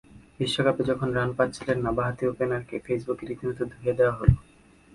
বিশ্বকাপে যখন রান পাচ্ছিলেন না, বাঁহাতি ওপেনারকে ফেসবুকে রীতিমতো ধুয়ে দেওয়া হলো।